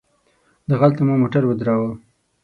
دغلته مو موټر ودراوه.